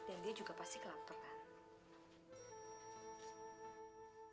dan dia juga pasti kelapar kan